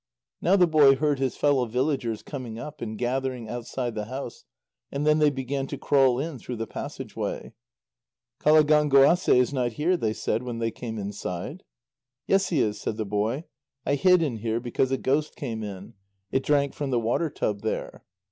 Now the boy heard his fellow villagers coming up and gathering outside the house, and then they began to crawl in through the passage way. "Qalagánguasê is not here," they said, when they came inside. "Yes, he is," said the boy. "I hid in here because a ghost came in. It drank from the water tub there."